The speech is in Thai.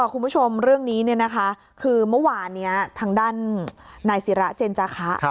คุณผู้ชมเรื่องนี้คือเมื่อวานนี้ทางด้านนายศิระเจนจาคะ